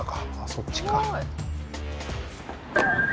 そっちか。